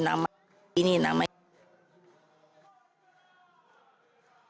jadi itu adalah satu during